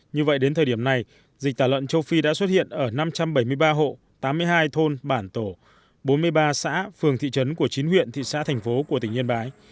như vậy đến thời điểm này dịch tả lợn châu phi đã xuất hiện ở năm trăm bảy mươi ba hộ tám mươi hai thôn bản tổ bốn mươi ba xã phường thị trấn của chín huyện thị xã thành phố của tỉnh yên bái